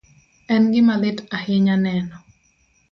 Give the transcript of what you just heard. En gima lit ahinya neno